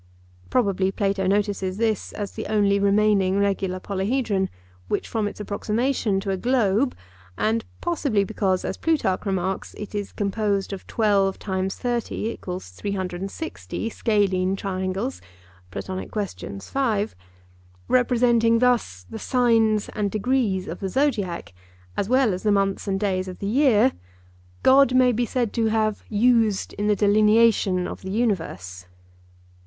Probably Plato notices this as the only remaining regular polyhedron, which from its approximation to a globe, and possibly because, as Plutarch remarks, it is composed of 12 x 30 = 360 scalene triangles (Platon. Quaest.), representing thus the signs and degrees of the Zodiac, as well as the months and days of the year, God may be said to have 'used in the delineation of the universe.